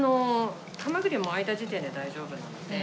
ハマグリはもう開いた時点で大丈夫なので。